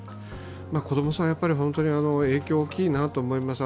子供さん本当に影響大きいなと思います。